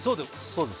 そうです